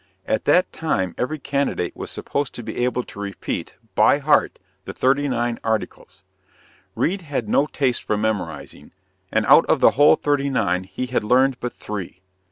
At that time every candidate was supposed to be able to repeat, by heart, the "Thirty Nine Articles." Reade had no taste for memorizing; and out of the whole thirty nine he had learned but three.